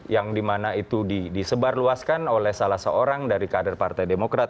yang dimana itu disebarluaskan oleh salah seorang dari kader partai demokrat